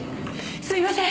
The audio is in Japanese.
すみません！